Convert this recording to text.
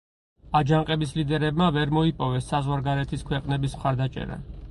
აჯანყების ლიდერებმა ვერ მოიპოვეს საზღვარგარეთის ქვეყნების მხარდაჭერა.